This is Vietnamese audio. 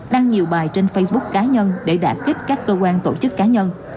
đăng nhiều bài trên facebook cá nhân để đạt kích các cơ quan tổ chức cá nhân